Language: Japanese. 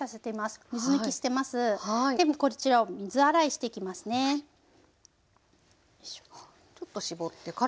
あっちょっと絞ってから。